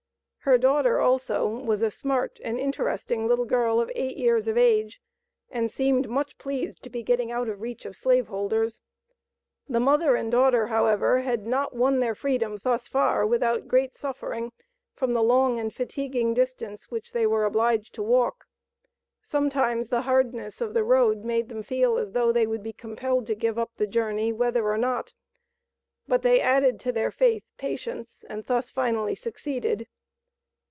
Her daughter also was a smart, and interesting little girl of eight years of age, and seemed much pleased to be getting out of the reach of slave holders. The mother and daughter, however, had not won their freedom thus far, without great suffering, from the long and fatiguing distance which they were obliged to walk. Sometimes the hardness of the road made them feel as though they would be compelled to give up the journey, whether or not; but they added to their faith, patience, and thus finally succeeded.